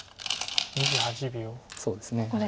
そうですね。